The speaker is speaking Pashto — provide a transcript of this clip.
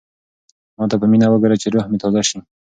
ما ته په مینه وګوره چې روح مې تازه شي.